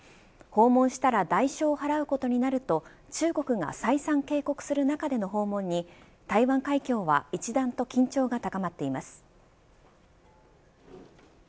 訪問したら代償を払うことになると中国が再三警告する中での訪問に台湾海峡は一段と緊張が高まっています。